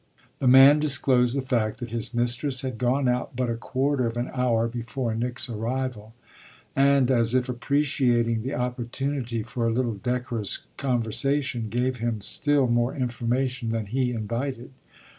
The man disclosed the fact that his mistress had gone out but a quarter of an hour before Nick's arrival, and, as if appreciating the opportunity for a little decorous conversation, gave him still more information than he invited.